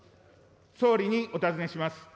総理にお尋ねします。